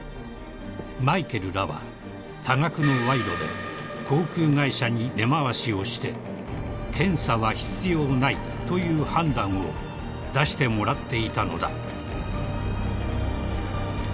［マイケルらは多額の賄賂で航空会社に根回しをして検査は必要ないという判断を出してもらっていたのだ］